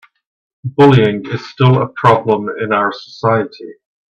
Bullying is still a problem in our society.